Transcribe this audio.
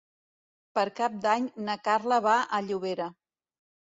Per Cap d'Any na Carla va a Llobera.